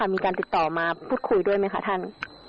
มีการติดต่อมาพูดคุยด้วยไหมคะท่าน